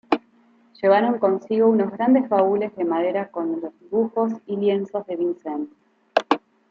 Llevaron consigo unos grandes baúles de madera con los dibujos y lienzos de Vincent.